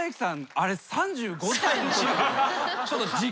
あれ３５歳のとき。